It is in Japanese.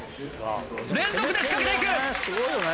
連続で仕掛けていく。